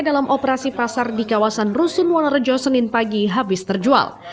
dalam operasi pasar di kawasan rusun wonorejo senin pagi habis terjual